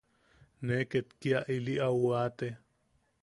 Ne ket kia ili au waate.